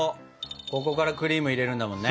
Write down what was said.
ここからクリーム入れるんだもんね。